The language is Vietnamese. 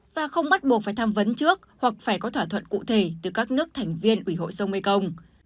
và không bắt buộc phải tham vấn trước hoặc phải có thỏa thuận cụ thể từ các nước thành viên ủy hội sông mekong